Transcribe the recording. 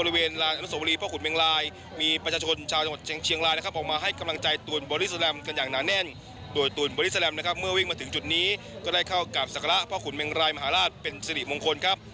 โดยตูนบอดี้แซลมเมื่อวิ่งมาถึงจุดนี้ก็ได้เข้ากับศักระพ่อขุนเมงรายมหาราชเป็นสิริมงคลครับ